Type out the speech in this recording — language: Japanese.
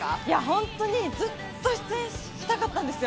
本当にずっと出演したかったんですよ。